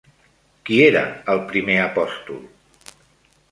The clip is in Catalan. Qui era el primer apòstol?